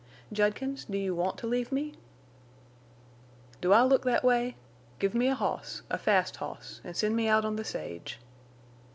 "Judkins, do you want to leave me?" "Do I look thet way? Give me a hoss—a fast hoss, an' send me out on the sage."